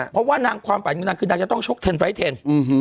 เพราะว่านางความฝันคือนางจะต้องชกเท็นไฟเท็น